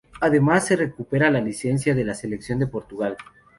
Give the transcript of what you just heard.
Además, se recupera la licencia de la selección de Portugal.